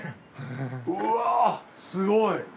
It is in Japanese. うわぁすごい。